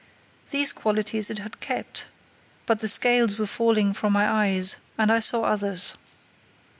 These qualities it had kept, but the scales were falling from my eyes, and I saw others.